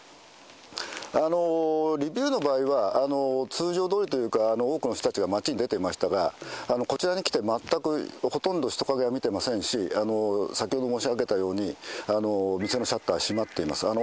リビウの場合は、通常どおりというか、多くの人たちが街に出ていましたが、こちらに来て全くほとんど人影は見てませんし、先ほど申し上げたように、店のシャッター閉まっています。